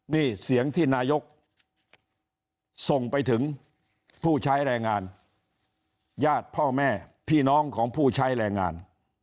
นี่เสียงที่นายกส่งไปถึงผู้ใช้แรงงานญาติพ่อแม่พี่น้องของผู้ใช้แรงงาน